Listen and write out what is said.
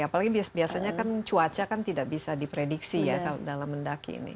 apalagi biasanya kan cuaca kan tidak bisa diprediksi ya dalam mendaki ini